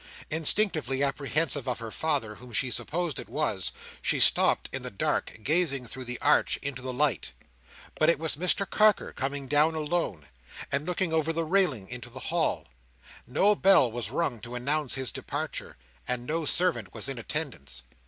Instinctively apprehensive of her father, whom she supposed it was, she stopped, in the dark, gazing through the arch into the light. But it was Mr Carker coming down alone, and looking over the railing into the hall. No bell was rung to announce his departure, and no servant was in attendance.